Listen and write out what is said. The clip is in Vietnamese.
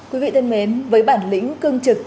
quý vị thân mến với bản lĩnh cương trực